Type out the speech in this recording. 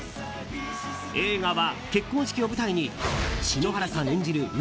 映画は結婚式を舞台に篠原さん演じる